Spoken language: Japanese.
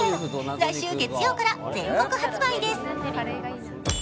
来週月曜から全国発売です。